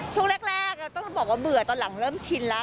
ช่วงแรกเราต้องบอกว่าเบื่อตอนหลังเริ่มชินแล้ว